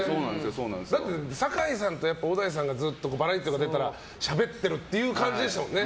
だって酒井さんと小田井さんがずっとバラエティー出たらしゃべってる感じでしたもんね。